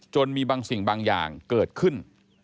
มีบางสิ่งบางอย่างเกิดขึ้น